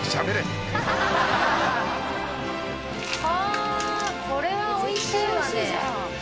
はぁこれはおいしいわね。